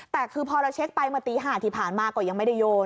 แต่คือพอเราเช็คไปเมื่อตี๕ที่ผ่านมาก็ยังไม่ได้โยน